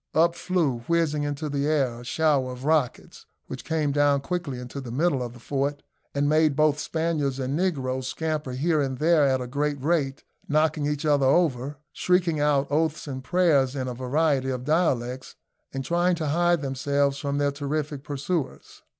Up flew, whizzing into the air, a shower of rockets, which came down quickly into the middle of the fort, and made both Spaniards and negroes scamper here and there at a great rate, knocking each other over, shrieking out oaths and prayers in a variety of dialects, and trying to hide themselves from their terrific pursuers.